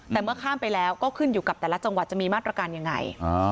แต่เมื่อข้ามไปแล้วก็ขึ้นอยู่กับแต่ละจังหวัดจะมีมาตรการยังไง